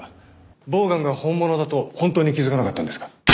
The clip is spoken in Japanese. ボウガンが本物だと本当に気づかなかったんですか？